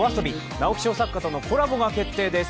直木賞作家とのコラボが決定です。